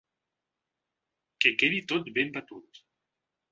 Que quedi tot ben batut.